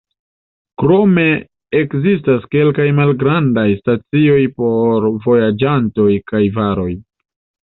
Krome ekzistas kelkaj malgrandaj stacioj por vojaĝantoj kaj varoj.